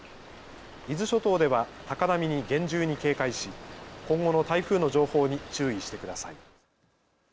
伊豆諸島では高波に厳重に警戒し今後の台風の情報に注意してください。